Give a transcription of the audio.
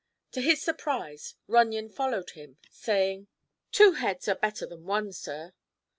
To his surprise Runyon followed him, saying: "Two heads are better than one, sir."